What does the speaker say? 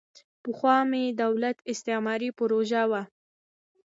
پخوا ملي دولت استعماري پروژه وه.